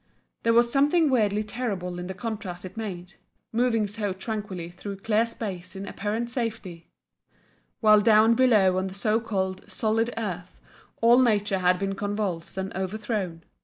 There was something weirdly terrible in the contrast it made, moving so tranquilly through clear space in apparent safety, while down below on the so called "solid" earth, all nature had been convulsed and overthrown.